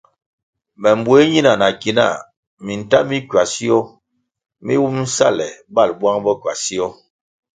Me mbue nina na ki na minta mi kwasio mi wumʼ sale balʼ buang bo kwasio.